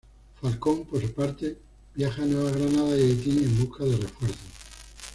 Falcón, por su parte, viaja a Nueva Granada y Haití en busca de refuerzos.